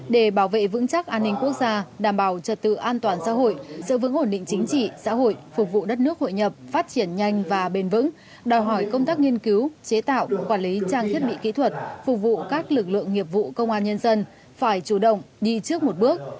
để bảo vệ vững chắc an ninh quốc gia đảm bảo trật tự an toàn xã hội sự vững ổn định chính trị xã hội phục vụ đất nước hội nhập phát triển nhanh và bền vững đòi hỏi công tác nghiên cứu chế tạo quản lý trang thiết bị kỹ thuật phục vụ các lực lượng nghiệp vụ công an nhân dân phải chủ động đi trước một bước